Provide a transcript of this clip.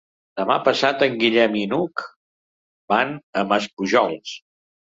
Demà passat en Guillem i n'Hug van a Maspujols.